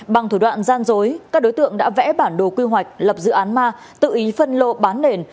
bằng thủ đoạn gian dối các đối tượng đã vẽ bản đồ quy hoạch lập dự án ma tự ý phân lô bán nền